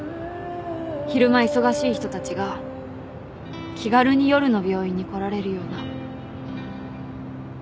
昼間忙しい人たちが気軽に夜の病院に来られるような。